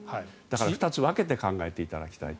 ２つ分けて考えていただきたい。